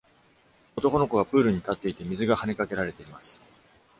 男の子がプールに立っていて、水がはねかけられています。